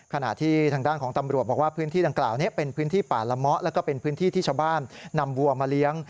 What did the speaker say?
ขณะที่ทางด้านของตำรวจบอกว่าพื้นที่ดังกล่าวนี้เป็นพื้นที่ป่าละเมาะแล้วก็เป็นพื้นที่ที่ชาวบ้านนำวัวมาเลี้ยง